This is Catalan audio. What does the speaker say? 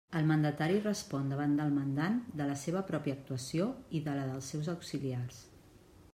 El mandatari respon davant del mandant de la seva pròpia actuació i de la dels seus auxiliars.